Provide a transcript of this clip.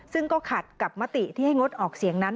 ซึ่งก็ขัดกับมติที่ให้งดออกเสียงนั้น